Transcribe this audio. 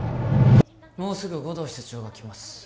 もうすぐ護道室長が来ます